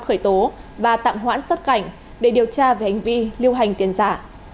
khởi tố và tạm hoãn xuất cảnh để điều tra về hành vi lưu hành tiền giả